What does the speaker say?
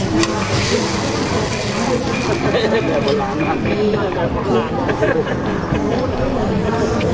พระเจ้าข้าว